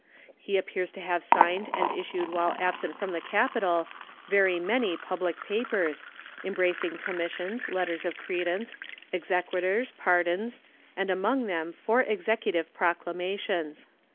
He appears to have signed and issued while absent from the capital very many public papers, embracing commissions, letters of credence, exequaturs, pardons, and among them four Executive proclamations.